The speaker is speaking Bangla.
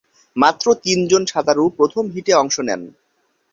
মাত্র তিনজন সাঁতারু প্রথম হিটে অংশ নেন।